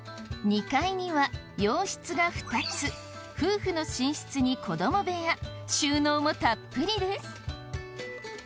２階には洋室が２つ夫婦の寝室に子ども部屋収納もたっぷりです